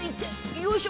よいしょ！